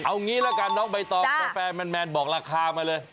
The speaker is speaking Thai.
เอางี้ละกันน้องใบตองแฟนแมนบอกราคามาเลย